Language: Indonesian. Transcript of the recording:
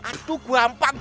aduh gua ampang